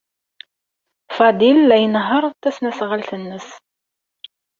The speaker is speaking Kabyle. Faḍil la inehheṛ tasnasɣalt-nnes.